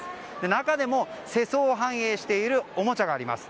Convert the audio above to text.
中でも世相を反映しているおもちゃがあります。